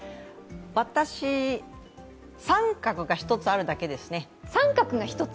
私、△が１つあるだけですね。